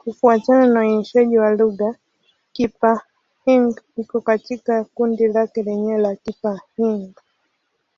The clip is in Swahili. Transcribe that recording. Kufuatana na uainishaji wa lugha, Kipa-Hng iko katika kundi lake lenyewe la Kipa-Hng.